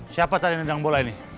siapa tadi nendang bola ini